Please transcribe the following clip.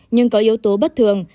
nhưng có yếu tố bất thường